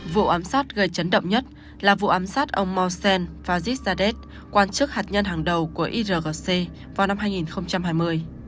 vụ ám sát gây chấn động nhất là vụ ám sát ông mossad và zizadeh quan chức hạt nhân hàng đầu của irgc vào năm hai nghìn hai mươi